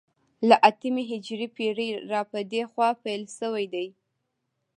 له اتمې هجرې پېړۍ را په دې خوا پیل شوی دی